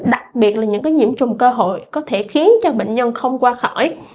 đặc biệt là những nhiễm trùng cơ hội có thể khiến cho bệnh nhân không qua khỏi